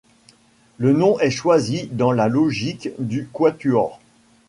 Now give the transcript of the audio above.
Le nom est choisi dans la logique du Quatuor.